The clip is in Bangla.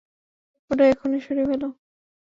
ওটা এখুনি সরিয়ে ফেল।